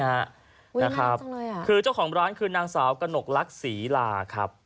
อุ้ยน่ารักจังเลยอะคือเจ้าของร้านคือนางสาวกนกลักษีลาครับ